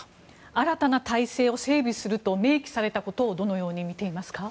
新たな体制を整備すると明記されたことをどのように見ていますか？